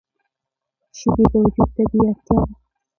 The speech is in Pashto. شیدې د وجود طبیعي اړتیا ده